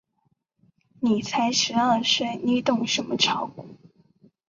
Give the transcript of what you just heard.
你才十二岁，你懂什么炒股？